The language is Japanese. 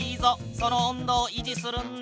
その温度をいじするんだ。